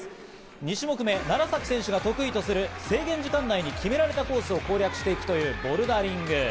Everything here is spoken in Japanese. ２種目め、楢崎選手が得意とする制限時間内に決められたコースを攻略していくというボルダリング。